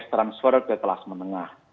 transfer ke kelas menengah